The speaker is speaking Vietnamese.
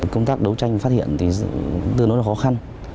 công tác đấu tranh phát hiện thì tương đối là khó khăn